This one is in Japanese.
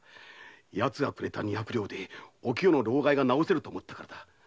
奴がくれた二百両でおきよの労咳が治せると思ったからだ。